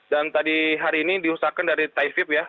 dan tadi hari ini diusahakan dari taifib ya